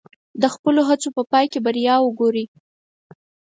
د خپلو هڅو په پای کې بریا وګورئ.